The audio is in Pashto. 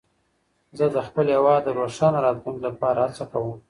زه د خپل هېواد د روښانه راتلونکي لپاره هڅه کوم.